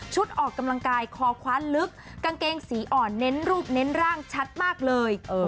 ออกกำลังกายคอคว้าลึกกางเกงสีอ่อนเน้นรูปเน้นร่างชัดมากเลย